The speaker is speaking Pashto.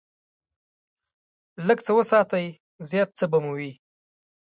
لږ څه وساتئ، زیات څه به مو وي.